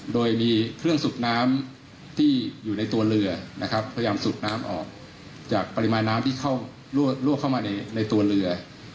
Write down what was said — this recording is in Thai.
โดยมีเครื่องสูบน้ำที่อยู่ในตัวเรือนะครับพยายามสูบน้ำออกจากปริมาณน้ำที่เข้าลวกเข้ามาในตัวเรือ